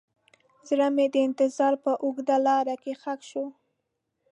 زړه مې د انتظار په اوږده لاره کې ښخ شو.